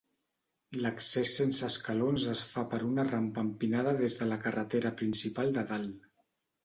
L'accés sense escalons es fa per una rampa empinada des de la carretera principal de dalt.